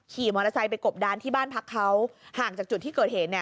ขี่มอเตอร์ไซค์ไปกบดานที่บ้านพักเขาห่างจากจุดที่เกิดเหตุเนี่ย